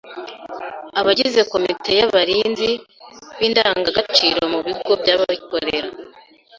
Abagize komite y’abarinzi b’indangagaciro mu bigo by’abikorera